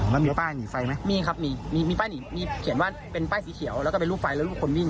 แล้วมีป้ายหนีไฟไหมมีครับมีมีป้ายหนีมีเขียนว่าเป็นป้ายสีเขียวแล้วก็เป็นรูปไฟแล้วลูกคนวิ่ง